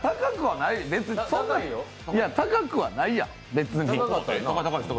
高くはないやん、別に。